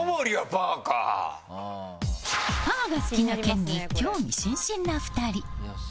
パーが好きな県に興味津々な２人。